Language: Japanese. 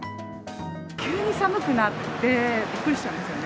急に寒くなって、びっくりしちゃいますよね。